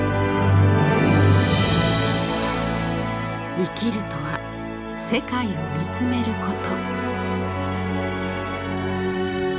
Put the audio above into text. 「生きるとは世界を見つめること」。